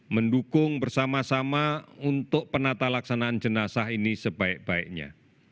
mendukung bersama sama untuk penata laksanaan jenazah ini sebaik baiknya